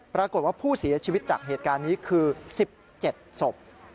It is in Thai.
ปรากฏว่าผู้เสียชีวิตจากเหตุการณ์นี้คือ๑๗ศพ